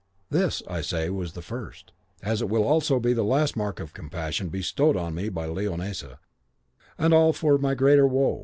This, I say, was the first, as it will also be the last mark of compassion bestowed on me by Leonisa, and all for my greater woe.